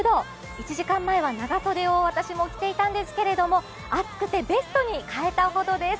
１時間前は長袖を私も着ていたんですが暑くてベストに変えたほどです。